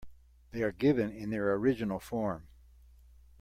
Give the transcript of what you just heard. They are given in their original form.